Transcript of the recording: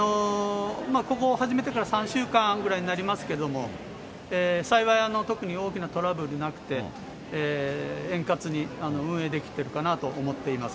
ここを始めてから３週間ぐらいになりますけれども、幸い、特に大きなトラブルなくて、円滑に運営できているかなと思っています。